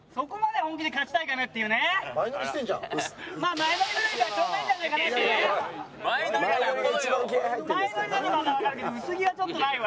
前乗りならまだわかるけど薄着はちょっとないわ。